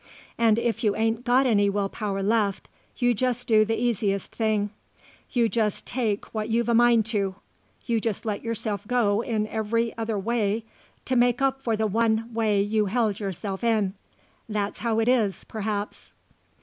And if you ain't got any will power left you just do the easiest thing; you just take what you've a mind to; you just let yourself go in every other way to make up for the one way you held yourself in. That's how it is, perhaps."